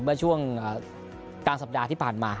เมื่อช่วงกลางสัปดาห์ที่ผ่านมา